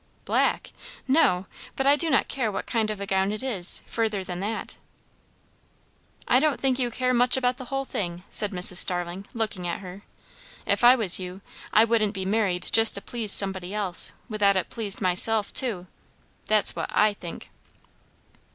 "Black! No; but I do not care what kind of a gown it is, further than that." "I don't think you care much about the whole thing," said Mrs. Starling, looking at her. "If I was you, I wouldn't be married just to please somebody else, without it pleased myself too. That's what I think."